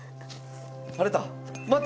晴れた！